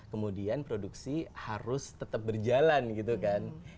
kemudian produksi harus tetap berjalan gitu kan